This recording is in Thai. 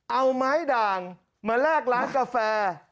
เอาไม้ด่างมาแลกร้านกาแฟ